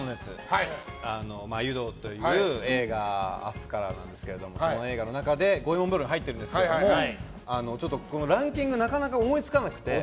「湯道」という映画が明日からなんですけどその映画の中で五右衛門風呂に入っているんですけどもこのランキングなかなか思いつかなくて。